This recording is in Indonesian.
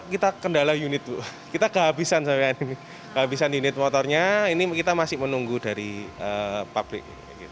kita kendala unit kita kehabisan unit motornya ini kita masih menunggu dari pabrik